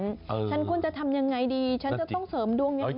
ฉันคุณจะทำยังไงดีฉันต้องเสริมดวงอย่างนี้